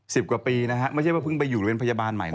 สิบกว่าปีนะครับไม่ใช่ว่าเพิ่งอยู่เรื่องพยาบาลใหม่